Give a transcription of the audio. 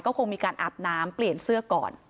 คงมีการอาบน้ำเปลี่ยนเสื้อก่อน